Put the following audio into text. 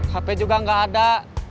hp juga gak ada